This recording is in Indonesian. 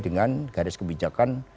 dengan garis kebijakan